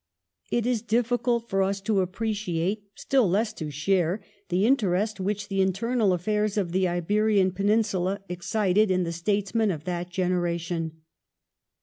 It is difficult for us to appreciate, still less to share, the interest which the internal affairs of the Iberian Peninsula excited in the statesmen of that generation.